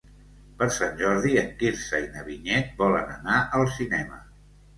Per Sant Jordi en Quirze i na Vinyet volen anar al cinema.